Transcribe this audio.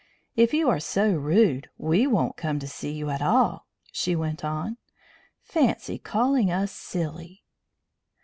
"If you are so rude we won't come to see you at all," she went on. "Fancy calling us silly!"